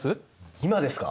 今ですか？